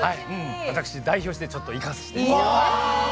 私、代表してちょっと行かしていただきます。